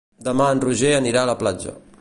Demà en Roger anirà a la platja.